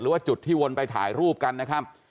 ว่าจุดที่วนไปถ่ายรูปกันนะครับ